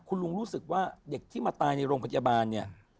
คุณลุงรู้สึกว่าเด็กที่มาตายในโรงพยาบาลเนี่ย